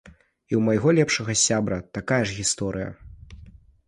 І ў майго лепшага сябра такая ж гісторыя.